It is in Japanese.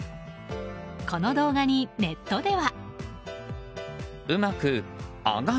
この動画にネットでは。